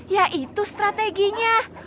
ya itu strateginya